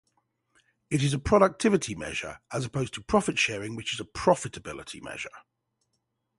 It is a productivity measure, as opposed to profit-sharing which is a profitability measure.